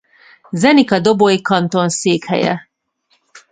Zenica-Doboj kanton székhelye.